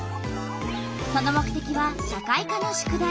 その目てきは社会科の宿題。